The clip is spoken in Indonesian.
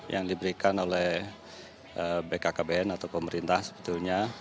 yang diberikan oleh bkkbn atau pemerintah sebetulnya